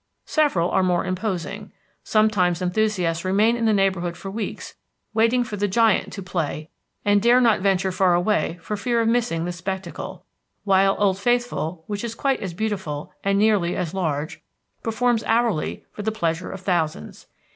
Several are more imposing. Sometimes enthusiasts remain in the neighborhood for weeks waiting for the Giant to play and dare not venture far away for fear of missing the spectacle; while Old Faithful, which is quite as beautiful and nearly as large, performs hourly for the pleasure of thousands.